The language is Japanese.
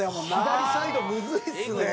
左サイドムズいっすね。